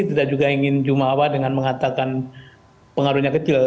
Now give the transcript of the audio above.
tidak juga ingin jumawa dengan mengatakan pengaruhnya kecil